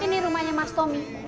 ini rumahnya mas tommy